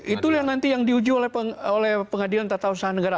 itu yang nanti yang diuji oleh pengadilan tata usaha negara